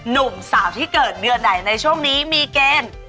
หนุ่มสาวที่เกิดเดือนไหนในช่วงนี้มีเกณฑ์